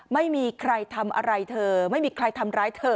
ไม่มีใครทำอะไรเธอไม่มีใครทำร้ายเธอ